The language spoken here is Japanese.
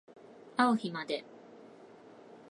あう日まで